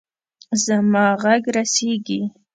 زما ږغ رسیږي.